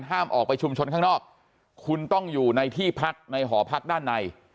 ห้ามออกไปชุมชนข้างนอกคุณต้องอยู่ในที่พักในหอพักด้านใน